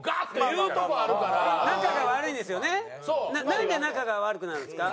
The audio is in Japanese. なんで仲が悪くなるんですか？